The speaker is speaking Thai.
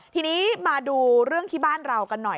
ทีนี้มาดูเรื่องที่บ้านเรากันหน่อย